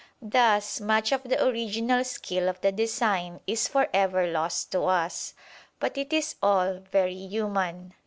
Thus much of the original skill of the design is for ever lost to us. But it is all very human.